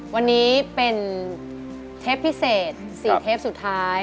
วันนี้เป็นเทปพิเศษ๔เทปสุดท้าย